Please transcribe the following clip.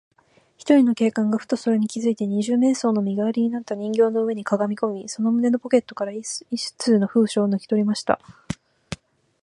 ひとりの警官が、ふとそれに気づいて、二十面相の身がわりになった人形の上にかがみこみ、その胸のポケットから一通の封書をぬきとりました。